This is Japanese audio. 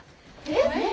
えっ！？